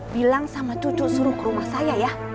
bilang sama cucu suruh ke rumah saya ya